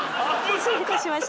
失礼いたしました。